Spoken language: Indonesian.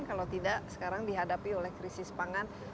kalau tidak sekarang dihadapi oleh krisis pangan